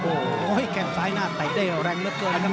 โอ้โหแก่งซ้ายหน้าไตได้แรงเยอะเกิน